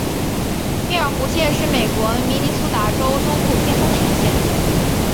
密尔湖县是美国明尼苏达州中部偏东的一个县。